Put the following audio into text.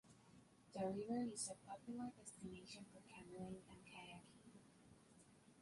The river is a popular destination for canoeing and kayaking.